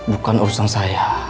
bukan urusan saya